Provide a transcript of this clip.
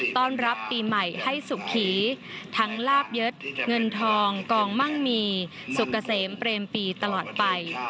ต้อนรับปีใหม่ให้สุขีทั้งลาบยศเงินทองกองมั่งมีสุกเกษมเปรมปีตลอดไป